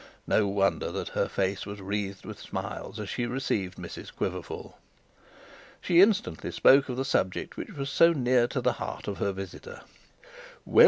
No wonder that her face was wreathed with smiles as she received Mrs Quiverful. She instantly spoke of the subject which was so near the heart of her visitor.